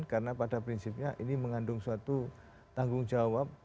karena pada prinsipnya ini mengandung suatu tanggung jawab